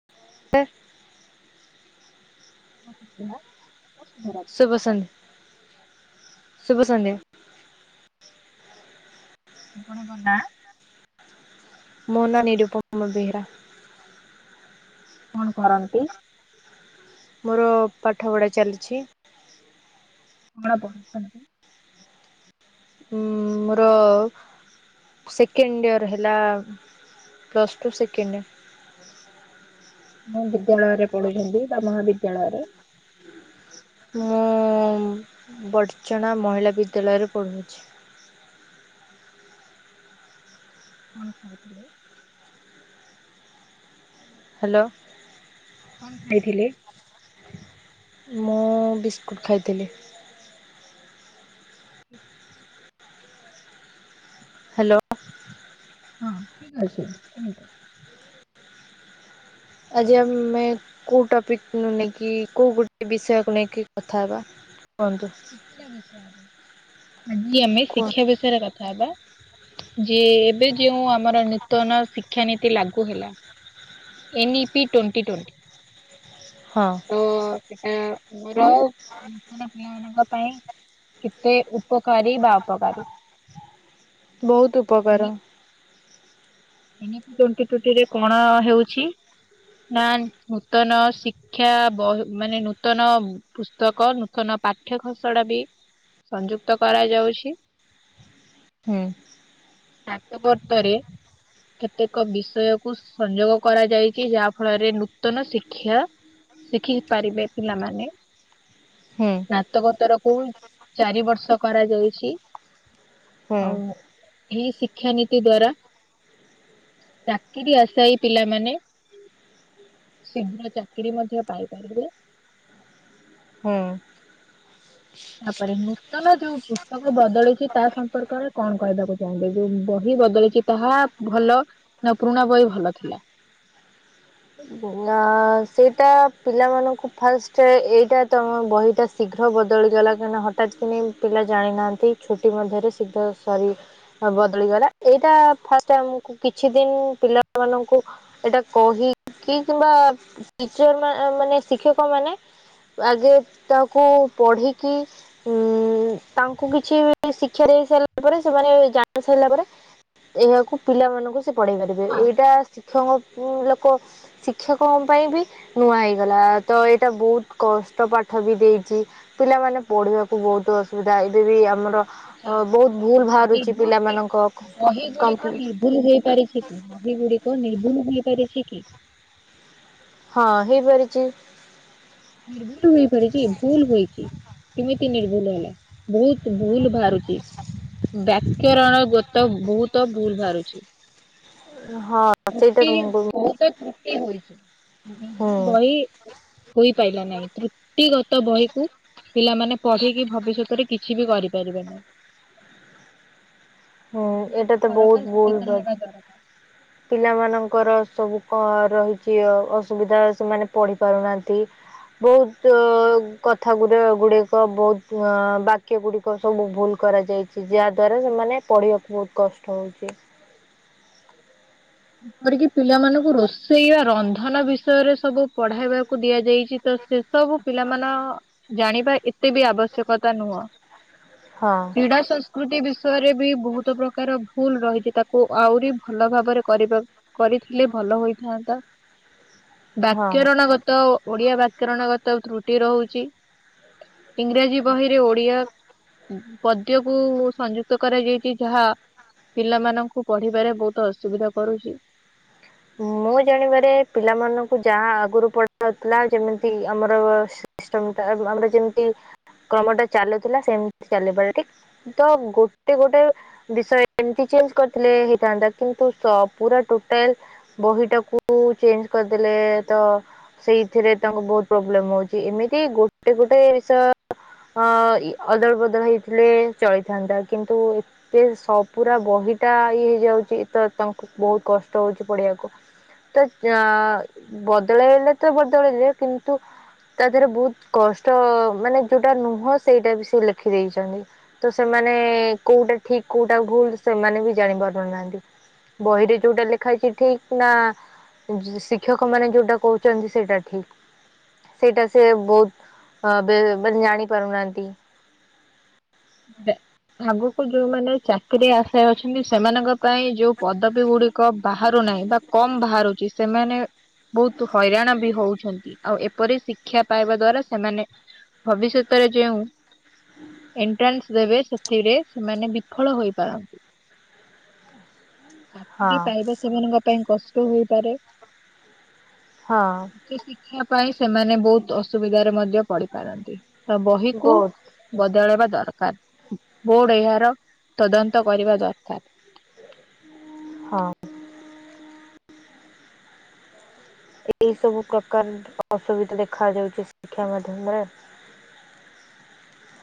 [unintelligible] କଣ କହିଲା? ଶୁଭ ସନ୍ଧ୍ୟା ଶୁଭ ସନ୍ଧ୍ୟା। ଆପଣଙ୍କ ନା? ମୋନା ନିରୁପମ ବେହେରା। କଣ କରନ୍ତି? ମୋର ପାଠପଢ଼ା ଚାଲିଚି। କଣ ପଢୁଛନ୍ତି? ଉଁ ମୋର ସେକେଣ୍ଡ ଇୟର ହେଲା ପ୍ଲସ୍ ଟୁ ସେକେଣ୍ଡ ଇୟର୍। ମୁଁ ବିଦ୍ୟାଳୟରେ ପଢୁଛନ୍ତି ତା ମହାବିଦ୍ୟାଳୟରେ। ମୁଁ ବର୍ଚଣା ମହିଳା ବିଦ୍ୟାଳୟରେ ପଢ଼ୁଅଛି। କଣ ଖାଉଥିଲେ? ହାଲୋ। କଣ ଖାଇଥିଲେ? ମୁଁ ବିସ୍କୁଟ୍ ଖାଇଥିଲି। ହ୍ୟାଲୋ ହଁ ଠିକ ଅଛି କୁହନ୍ତୁ। ଆଜି ଆମେ କୋଉ ଟପିକୁ ନେଇକି କୋଉ ଗୋଟେ ବିଷୟକୁ ନେଇକି କଥା ହବା? କୁହନ୍ତୁ। ଆଜି ଆମେ କୁହ ଶିକ୍ଷା ବିଷୟରେ କଥା ବା ଯେଉଁ ଏବେ ଯୋଉ ଆମର ନୂତନ ଶିକ୍ଷାନୀତି ଏତେ ଲାଗୁ ହେଲା ଏନ୍ଇ ପି ଟ୍ୱେଣ୍ଟି ଟ୍ୱେଣ୍ଟି। ହଁ। ତ ସେଟା ଆର ନୂତନ ପିଲାମାନଙ୍କ ପାଇଁ। କେତେ ଉପକାରୀ ବା ଅପକାରୀ? ବହୁତ ଉପକାର। ଏମିତି ଟୋଣ୍ଟି ଟୋଣ୍ଟି ରେ କଣ ହେଉଛି? ନା ନୂତନ ଶିକ୍ଷା ମାନେ ନୂତନ ପୁସ୍ତକ ନୂତନ ପାଠ୍ୟ ଘସଡା ବି ସଂଯୁକ୍ତ କରାଯାଉଛି। [inaudible] ଆ ତ ବର୍ତାରେ କେତେକ ବିଷୟ କୁ ସଂଯୋଗ କରାଯାଇଛି ଯାହା ଫଳରେ ନୂତନ ଶିକ୍ଷା ଶିଖି ପାରିବେ ପିଲାମାନେ। ହୁଁ ସ୍ନାତକୋତରକୁ ଚାରି ବର୍ଷ କରାଯାଇଛି। ହୁଁ ଆଉ ଏଇ ଶିକ୍ଷାନୀତି ଦ୍ଵାରା ଚାକିରି ଆସେ ଏଇ ପିଲାମାନେ ଶୀଘ୍ର ଚାକିରି ମଧ୍ୟ ପାଇପାରିବେ। ହୁଁ। ତାପରେ ନୂତନ ଯୋଉ ପୁସ୍ତକ ବଦଳିଛି ତା ସମ୍ପର୍କରେ କଣ କହିବାକୁ ଚାହୁଁଛନ୍ତି ଯୋଉ ବହି ବଦଳିଛି ତାହା ଭଲ ନା ପୁରୁଣା ବହି ଭଲ ଥିଲା? ନା ସେଇଟା ପିଲାମାନଙ୍କୁ ଫାଷ୍ଟ ଏଇଟା ତମ ବହିଟା ଶୀଘ୍ର ବଦଳିଗଲା କାହିଁକିନା ହଠାତ୍ କିନି ପିଲା ଜାଣିନାହାନ୍ତି ଛୁଟି ମଧ୍ୟରେ ଶୀଘ୍ର ସରି ବଦଳି ଗଲା ଏଇଟା ଫାଷ୍ଟ ଆମକୁ କିଛି ଦିନ ପିଲାମାନଙ୍କୁ ଏଟା କହିକି କିମ୍ବାର ମାନେ ଶିକ୍ଷକ ମାନେ ଆଗେ ତାକୁ ପଢ଼ିକି ଉଁ ତାଙ୍କୁ କିଛି ଶିକ୍ଷା ଦେଇ ସାରିଲା ପରେ ସେମାନେ ଜାଣି ସାରିଲା ପରେ ଏହାକୁ ପିଲାମାନଙ୍କୁ ସେ ପଢେଇ ପାରିବେ। ହଁ ଏଇଟା ଶିକ୍ଷକଙ୍କୁ ଲେ କୋ ଶିକ୍ଷକ ପାଇଁ ବି ନୂଆ ହେଇଗଲା ତ ଏଇଟା ବୋହୁତ କଷ୍ଟ ପାଠ ବି ଦେଇଚି। ପିଲାମାନେ ପଢିବାକୁ ବୋହୁତ ଅସୁବିଧା ଏବେ ବି ଆମର ଆଚ୍ଛା। ଆ ବୋହୁତ ଭୁଲ ବାହାରୁଚି ନିର୍ଭୁଲ ପିଲାମାନଙ୍କ କ କମ୍ପି ଭୁଲ ହେଇ ପାରିଛି କି? ବହି ଗୁଡିକ ନିର୍ଭୁଲ ହେଇପାରିଛି କି? ହଁ ହେଇପାରିଚି। ନିର୍ଭୁଲ ହୋଇପାରିଚି ଭୁଲ ହୋଇଚି। କେମିତି ନିର୍ଭୁଲ ହେଲା? ବୋହୁତ ଭୁଲ ଭାରୁଚି। ବ୍ୟାକରଣ ଗୋତ ବୋହୁତ ଭୁଲ ଭାହାରୁଛି। ହଁ ସେଇଟା ରୁଟି ହୁଁ ବୋହୁତ ତୃଟି ହୋଇଚି [inaudible] ବହି ପାଇଲା ନାହିଁ ତୃତି ଗତ ବହିକୁ ଫିଲାମାନେ ପଢିକି ଭବିଷ୍ୟତରେ କିଛି ବି କରିପାରିବେ ନାଇଁ। ହୁଁ ସେଥିପତି ସରକାର ସଚେତନ ହେବା ଦରକାର। ହ ପିଲାମାନଙ୍କର ସବୁ କ ରହିଚି ଅସୁବିଧା ସେମାନେ ପଢ଼ି ପାରୁନାହାନ୍ତି। ବୋହୁତ କଥା ଗୁଡ଼ ଗୁଡ଼ିକ ବୋହୁତ ବାକ୍ୟ ଗୁଡ଼ି ସବୁ ଭୁଲ କରାଯାଇଚି ଯାହା ଦ୍ଵାରା ସେମାନେ ପଢିବାକୁ ବୋହୁତ କଷ୍ଟ ହୋଉଚି। ଯେପରିକି ପିଲାମାନଙ୍କୁ ରୋଷେଇ ବା ରନ୍ଧନ ବିଷୟରେ ସବୁ ପଢେଇବାକୁ ଦିଆଯାଇଚି ତ ସେ ସବୁ ପିଲା ମାନ ଜାଣିବା ଏତେ ବି ଆବଶ୍ୟକତା ନୁହଁ। ହଁ। କ୍ରୀଡ଼ା ସଂସ୍କୃତି ବିଷୟରେ ବି ବୋହୁତ ପ୍ରକାର ଭୁଲ ରହିଚି ତାକୁ ଆହୁରି ଭଲ ଭାବରେ କରିବା କରିଥିଲେ ଭଲ ହୋଇଥାନ୍ତା। ହଁ। ବାକ୍ୟରଣ ଗତ ଓଡିଆ ବ୍ୟାକରଣ ଗତ ତ୍ରୁଟି ରୋହୁଚି। ଇଂରାଜୀ ବାହିରେ ଓଡ଼ିଆ ପଦ୍ୟକୁ ସଂଯୁକ୍ତ କରାଯାଇଚି ଯାହା ପିଲାମାନଙ୍କୁ ପଢିବାରେ ବୋହୁତ ଅସୁବିଧା କରୁଚି। ମୁଁ ଜାଣିବାରେ ପିଲାମାନଙ୍କୁ ଯାହା ଆଗରୁ ପଢ ଯାଉଥିଲା ଯେମିତି ଆମର ଶି ଇଷ୍ଟମ୍ ଟା ଆମର ଯେମତି କାମଟା ଚାଲୁଥିଲା ସେମତି ଚାଲିପାରେ ଠିକ୍ ତ ଗୋଟେ ଗୋଟେ ବିଷୟ ଏମତି ଚେଞ୍ଜ କରିଥିଲେ ହେଇଥାନ୍ତା। କିନ୍ତୁ ପୁରା ଟୋଟାଲ ବହିଟାକୁ ଚେଞ୍ଜ କରିଦେଲେ ତ ସେଇଥିରେ ତାଙ୍କୁ ବୋହୁତ ପ୍ରୋବ୍ଲେମ ହୋଉଚି ଏମିତି ଗୋଟେ ଗୋଟେ ବିଷ ହଁ ଇ ଅଦଳ ବଦଳ ହେଇଥିଲେ ଚଳିଥାନ୍ତା କିନ୍ତୁ ଏ ସ ପୁରା ବହିଟା ଇଏ ହେଇଯାଉଚି ତ ତାଙ୍କୁ ବୋହୁତ କଷ୍ଟ ହୋଉଚି ପଢିବାକୁ। ତ ଆଁ ବଦଳାଇଲେ ତ ବଦଳେଇଲେ କିନ୍ତୁ ତା ଦେହରେ ବୋହୁତ କଷ୍ଟ ମାନେ ଯୋଉଟା ନୁହଁ ସେଇଟା ବି ସେ ଲେଖି ଦେଇେଚନ୍ତି। ତ ସେମାନେ କୋଉଟା ଠିକ କୋଉଟା ଭୁଲ ସେମାନେ ବି ଜାଣି ପାରୁନାହାନ୍ତି। ବହି ରେ ଯୋଉଟା ଲେଖା ହେଚି ଠିକ୍ ନା ଜି ଶିକ୍ଷକ ମାନେ ଯୋଉଟା କୋହୁଚନ୍ତି ସେଇଟା ଠିକ। ସେଇଟା ସେ ବୋହୁତ ହଁ ବେ ବେନ ଜାଣି ପାରୁନାହାନ୍ତି। [inaudible] ଆଗକୁ ଯୋଉମାନେ ଚାକିରି ଆଶାରେ ଅଛନ୍ତି ସେମାନଙ୍କ ପାଇଁ ଯୋଉ ପଦବୀ ଗୁଡିକ ବାହାରୁ ନାହିଁ ବା କମ ବାହାରୁଚି ସେମାନେ ବୋହୁତୁ ହଇରାଣ ବି ହୋଉଛନ୍ତି ଆଉ ଏପରି ଶିକ୍ଷା ପାଇବା ଦ୍ଵାରା ସେମାନେ ଭବିଷ୍ୟତରେ ଯେଉଁ ଟେନ୍ସ ଦେବେ ସେଥିରେ ସେମାନେ ବିଫଳ ହୋଇପାରନ୍। ହଁ ସେତିକି ପାଇବା ସେମାନଙ୍କ ପାଇଁ କଷ୍ଟ ହେଇପାରେ। ହଁ। କିଛି ଶିଖିବା ପାଇଁ ସେମାନେ ବହୁତ ଅସୁବିଧାରେ ମଧ୍ୟ ପଡିିପାରନ୍ତି ତ ବହିକୁ ବହୁତ ବଦଳେଇବା ଦରକାର ବୋର୍ଡ ଏହାର ତଦନ୍ତ କରିବା ଦରକାର। ହଁ। ଏଇ ସବୁ ପ୍ରକାର ଅସୁବିଧା ଦେଖା ଯାଉଛି ଶିକ୍ଷା ମାଧ୍ୟମରେ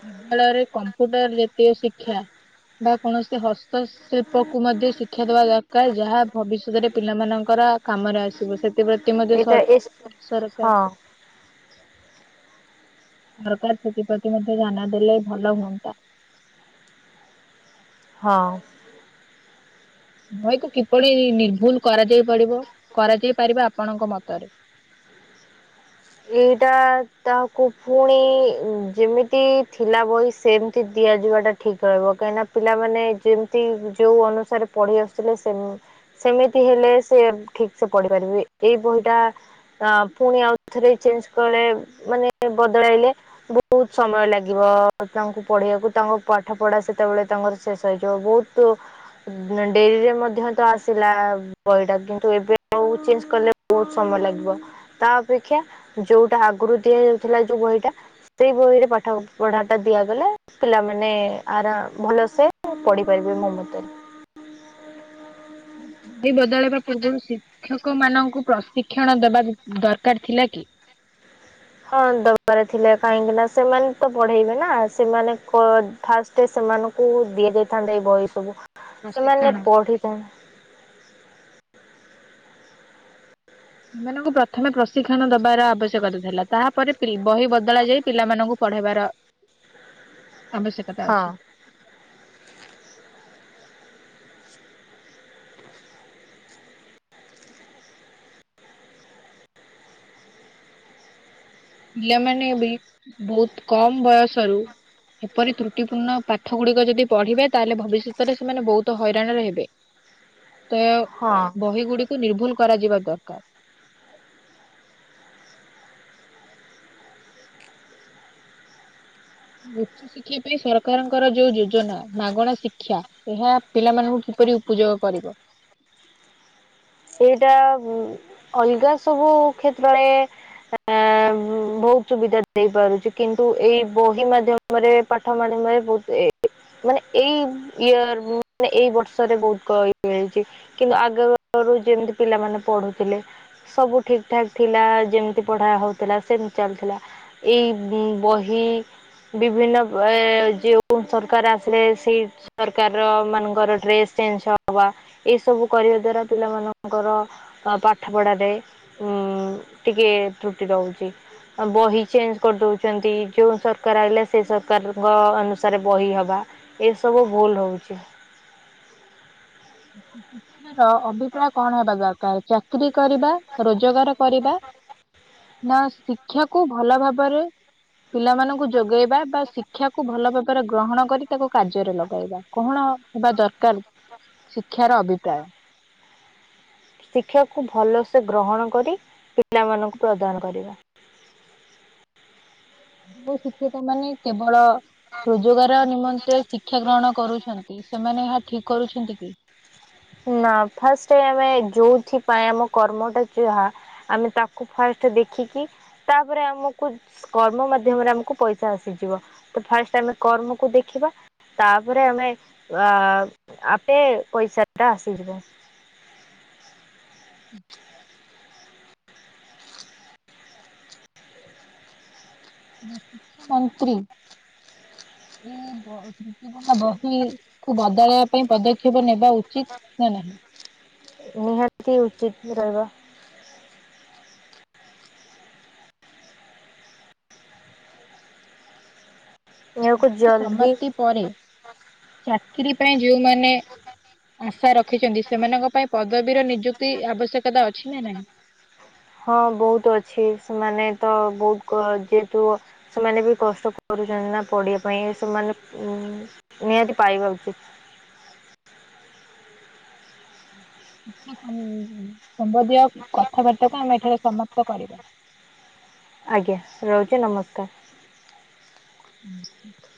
ବିଦ୍ୟାଳୟରେ କମ୍ପୁଟର ଜାତୀୟ ଶିକ୍ଷା ବା କୌଣସି ହସ୍ତସ ଶିଳ୍ପକୁ ମଧ୍ୟ ଶିକ୍ଷା ଦବା ଦରକାର ଯାହା ଭବିଷ୍ୟତରେ ପିଲାମାନଙ୍କର କାମରେ ଆସିବ ସେଥିପ ଥି ମଧ୍ୟ୍ୟ ଏଇଟା ଏ ସ ସରକାର ହଁ ସରକାର ସେଥିପ୍ରତି ମଧ୍ୟ ଧ୍ୟାନ ଦେଲେ ଭଲ ହୁଅନ୍ତା। ହଁ। ବହିକୁ କିପରି ନିର୍ଭୁଲ କରାଯାଇ ପାଡିବ କରାଯାଇ ପାରିବ ଆପଣଙ୍କ ମତରେ ଏଇଟା ତାହାକୁ ପୁଣି ଯେମିତି ଥିଲା ବହି ସେମିତି ଦିଆଯିବାଟା ଠିକ୍ ରହିବ କାହିଁକିନା ପିଲାମାନେ ଯେମିତି ଯେଉଁ ଅନୁସାରେ ପଢ଼ି ଆସୁଥିଲେ ସେ ସେମିତି ହେଲେ ସେ ଠିକ ସେ ପଢିପାରିବେ ଏଇ ବହିଟା ଆ ପୁଣି ଆଉ ଥରେ ଚେଞ୍ଜ କଲେ ମାନେ ବଦଳାଇଲେ ବହୁତ ସମୟ ଲାଗିବ ତାଙ୍କୁ ପଢିବାକୁ ତାଙ୍କ ପାଠ ପଢା ସେତେବେଳେ ତାଙ୍କର ଶେଷ ହେଇଯିବ ବହୁତ। ତୋ ଡେରିରେ ମଧ୍ୟ ତ ଆସିଲା ବହିଟା କିନ୍ତୁ ଏବେ ବହୁ ଚେଞ୍ଜ କଲେ ବହୁତ ସମୟ ଲାଗିବ ତା ଅପେକ୍ଷା ଯୋଉଟା ଆଗରୁ ଦିଆଯାଉଥିଲା ଯୋଉ ବହିଟା। ସେଇ ବହିରେ ପାଠ ପଢାଟା ଦିଆଗଲେ ପିଲାମାନେ ଆରା ଭଲସେ ପଢିପାରିବ ମୋ ମତରେ। ବହି ବଦଳେଇବା ପୂର୍ବରୁ ସି ଶିକ୍ଷକ ମାନଙ୍କୁ ପ୍ରଶିକ୍ଷଣ ଦେବା ଦରକାର ଥିଲା କି? ହଁ ଦବାରେ ଥିଲେ କାହିଁକିନା ସେମାନେ ତ ପଢେଇବେ ନା ସେମାନେ କ ଫାଷ୍ଟ ସେମାନଙ୍କୁ ଦିଆଯାଇଥାନ୍ତା ଏଇ ବହି ସବୁ ପ୍ରଶିକ୍ଷଣ ସେମାନେ ପଢ଼ିଥାନ୍। ସେମାନଙ୍କୁ ପ୍ରଥମେ ପ୍ରଶିକ୍ଷଣ ଦବାର ଆବଶ୍ୟକତା ଥିଲା ତାହାପରେ ପି ବହି ବଦଳା ଯାଇ ପିଲାମାନଙ୍କୁ ପଢେଇବାର ଆବଶ୍ୟକତା ହଁ ଅଛି। ପିଲାମାନେ ବି ବହୁତ କମ ବୟସରୁ ଏପରି ତ୍ରୁଟିପୂର୍ଣ୍ଣ ପାଠ ଗୁଡିକ ଯଦି ପଢିବେ ତାହେଲେ ଭବିଷ୍ୟତରେ ସେମାନେ ବହୁତ ହଇରାଣରେ ହେବେ। ତ ହଁ। ବହି ଗୁଡିକୁ ନିର୍ଭୁଲ କରାଯିବା ଦରକାର। ଉଚ୍ଚଶିକ୍ଷା ପାଇଁ ସରକାରଙ୍କର ଯୋଉ ଯୋଜନା ମାଗଣା ଶିକ୍ଷା ଏହା ପିଲାମାନଙ୍କୁ କିପରି ଉପଯୋଗ କରିବ। ଏଇଟା ଉଁ ଅଲଗା ସବୁ କ୍ଷେତ୍ରରେ ଆ ବହୁତ ସୁବିଧା ଦେଇପାରୁଛି କିନ୍ତୁ ଏଇ ବହି ମାଧ୍ୟମ ପରେ ପାଠ ମାଡି ମାଡି ବହୁତ ଏ ମାନେ ଏଇ ଇର ମାନେ ଏଇ ବର୍ଷରେ ବହୁତ [unintelligible] ଇଏ ହେଇଛି କିନ୍ତୁ ଆଗ ରୁ ଯେମତି ପିଲାମାନେ ପଢୁଥିଲେ। ସବୁ ଠିକଠାକ୍ ଥିଲା ଯେମିତି ପଢ଼ା ହେଉଥିଲା ସେମିତି ଚାଲୁଥିଲା। ଏଇ ଉଁ ବହି ବିଭିନ୍ନ ଏ ଯେଉଁ ସରକାର ଆସିଲେ ସେଇ ସରକାର ର ମାନଙ୍କର ଡ୍ରେସ୍ ଚେଞ୍ଜ ହବା ଏଇ ସବୁ କରିବା ଦ୍ଵାରା ପିଲାମାନଙ୍କର ପାଠପଢ଼ାରେ ଉଁ ଟିକେ ତ୍ରୁଟି ରହୁଛି। ବହି ଚେଞ୍ଜ କରିଦେଉଛନ୍ତି ଯେଉଁ ସରକାର ଆଇଲା ସେ ସରକାରଙ୍କ ଅନୁସାରେ ବହି ହବା। ଏସବୁ ଭୁଲ ରହୁଛି। ଶିକ୍ଷାର ଅଭିପ୍ରାୟ କଣ ହେବା ଦରକାର ଚା କିରି କରିବା ରୋଜଗାର କରିବା। ନା ଶିକ୍ଷାକୁୁ ଭଲ ଭାବରେ ପିଲାମାନଙ୍କୁ ଯୋଗେଇବା ବା ଶିକ୍ଷାକୁ ଭଲ ଭାବ ଗ୍ରହଣ କରି ତାକୁ କାର୍ଯ୍ୟରେ ଲଗେଇବା କଣ ହେବା ଦରକାର ଶିକ୍ଷାର ଅଭି [unintelligible] ଶିକ୍ଷାକୁ ଭଲସେ ଗ୍ରହଣ କରି ପିଲାମାନଙ୍କୁ ପ୍ରଦାନ କରିବା ଯ ଶିକ୍ଷକ ମାନେ କେବଳ ରୋଜଗାର ନିମନ୍ତେ ଶିକ୍ ଶିକ୍ଷା ଗ୍ରହଣ କରୁଛନ୍ତି ସେମାନେ ଏହା ଠିକ କରୁଛନ୍ତି କି? ନା ଫାଷ୍ଟ ଆମେ ଯୋଉଥିପାଇ ଆମ କର୍ମଟା ଯାହା ଆମେ ତାକୁ ଫାଷ୍ଟ ଦେଖିକି ତାପରେ ଆମକୁ କର୍ମ ମାଧ୍ୟମରେ ଆମକୁ ପଇସା ଆସିଯିବ ତ ଫାଷ୍ଟ ଆମେ କର୍ମକୁ ଦେଖିବା ତାପରେ ଆମେ ଅ ଆପେ ପଇସା ଟା ଆସିଯିବ। ତନ୍ତ୍ରୀ। ଏଇ ବ ମତପଣା ବହି କୁ ବଦଳ ପାଇଁ ପଦକ୍ଷେପ ନେବା ଉଚିତ ନା ନାହିଁ। ନିହାତି ଉଚିତ ରହିବ। ଏହାକୁ ଶ୍ଷା ଜଲଦି ସମାପ୍ତି ପରେ ଚାକିରୀ ପାଇଁ ଯୋଉମାନେ ଆଶା ରଖିଛନ୍ତି ସେମାନଙ୍କ ପାଇଁ ପଦବୀର ନିଯୁକ୍ତି ଆବଶ୍ୟକତା ଅଛି ନା ନାହିଁ? ହଁ ବହୁତ ଅଛି ସେମାନେ ତ ବହୁତ ଯେହେତୁ ସେମାନେ ବି କଷ୍ଟ କରୁଛନ୍ତି ନା ପଢିବା ପାଇଁ ସେମାନେ ଉ ନିହାତି ପାଇବା ଉଚିତ। ସମ୍ବଧୀୟ କଥାବାର୍ତ୍ତାକୁ ଆମେ ଏଠାରେ ସମାପ୍ତ କରିବା। ଆଜ୍ଞା ରହୁଛି ନମସ୍କାର। [inaudible]